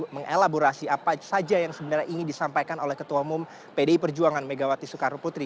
mengelaborasi apa saja yang sebenarnya ingin disampaikan oleh ketua umum pdi perjuangan megawati soekarno putri